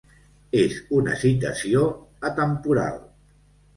És una citació atemporal.